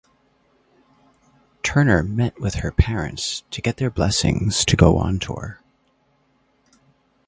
Turner met with her parents to get their blessings to go on tour.